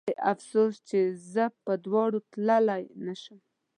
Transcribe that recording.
هی افسوس چې زه په دواړو تللی نه شم